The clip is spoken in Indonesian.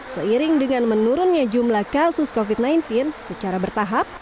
seiring dengan menurunnya jumlah kasus covid sembilan belas secara bertahap